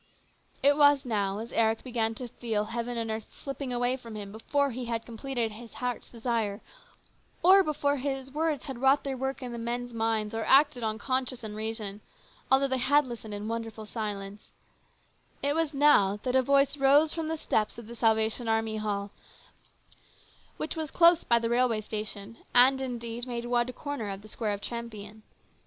It was now, as Eric began to feel earth and heaven slipping away from him before he had completed his heart's desire, or before his words had wrought their work in the men's minds or acted on conscience and reason, although they had listened in a wonderful silence, it was now that a voice rose from the steps of the Salvation Army Hall, which was close by the railway station and, indeed, made one corner of the square of Champion.